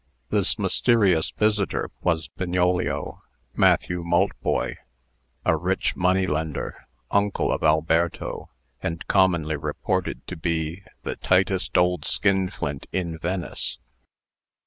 This mysterious visitor was Bignolio (Matthew Maltboy), a rich money lender, uncle of Alberto, and commonly reported to be the "tightest old skinflint in Venice."